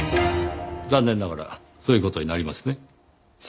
残念ながらそういう事になりますね。